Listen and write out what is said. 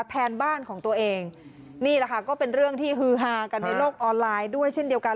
แทนบ้านของตัวเองนี่แหละค่ะก็เป็นเรื่องที่ฮือฮากันในโลกออนไลน์ด้วยเช่นเดียวกัน